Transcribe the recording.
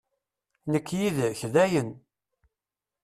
Nekk yid-k, dayen!